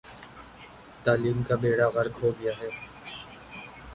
تعلیم کا بیڑہ غرق ہو گیا ہے۔